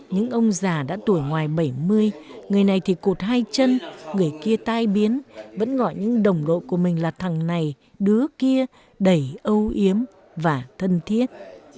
những ông già đã tuổi ngoài bảy mươi người này thì cụt hai chân người kia tai biến vẫn gọi những đồng đội của mình là thằng này đứa kia đẩy âu yếm và thân thiết